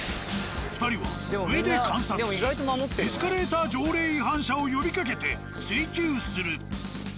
２人は上で観察しエスカレーター条例違反者を呼びかけて追及する。